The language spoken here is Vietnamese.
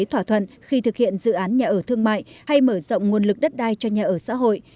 thỏa thuận khi thực hiện dự án nhà ở thương mại hay mở rộng nguồn lực đất đai cho nhà ở xã hội